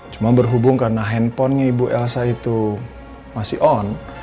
cuma berhubung karena handphonenya ibu elsa itu masih on